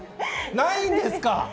ないんですか？